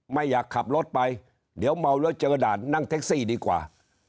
ไม่อยากขับรถไปเดี๋ยวเมาแล้วเจอด่านนั่งแท็กซี่ดีกว่า